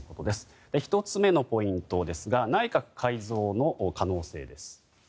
１つ目のポイントですが内閣改造の可能性です。